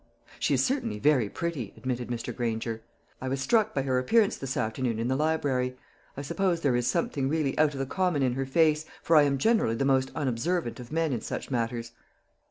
"She is certainly very pretty," admitted Mr. Granger. "I was struck by her appearance this afternoon in the library. I suppose there is something really out of the common in her face, for I am generally the most unobservant of men in such matters."